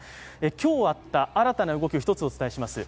今日あった新たな動きを１つお伝えします。